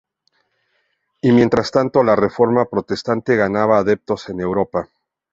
Y mientras tanto la reforma protestante ganaba adeptos en Europa.